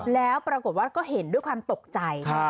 แล้วปรากฏว่าก็เห็นด้วยความตกใจ